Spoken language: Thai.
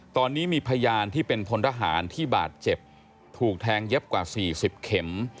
ตอนนี้มีพยานที่เป็นพลทหารที่บาดเจ็บถูกแทงเย็บกว่า๔๐เข็ม